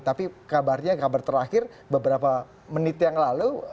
tapi kabarnya kabar terakhir beberapa menit yang lalu